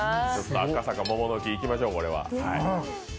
赤坂、桃の木、行きましょう。